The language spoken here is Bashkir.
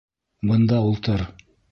— Бында ултыр.